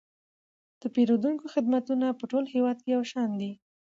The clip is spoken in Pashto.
د پیرودونکو خدمتونه په ټول هیواد کې یو شان دي.